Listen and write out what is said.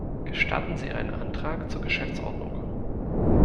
Gestatten Sie einen Antrag zur Geschäftsordnung.